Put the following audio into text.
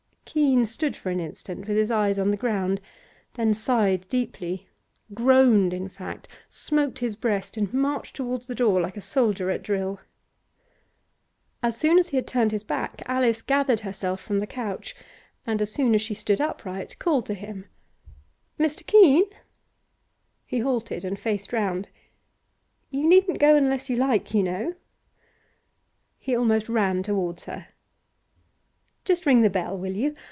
Keene stood for an instant with his eyes on the ground, then sighed deeply groaned, in fact smote his breast, and marched towards the door like a soldier at drill. As soon as he had turned his back Alice gathered herself from the couch, and, as soon as she stood upright, called to him. 'Mr. Keene!' He halted and faced round. 'You needn't go unless you like, you know.' He almost ran towards her. 'Just ring the bell, will you?